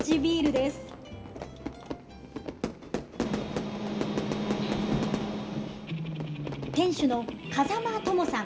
店主の風間智さん。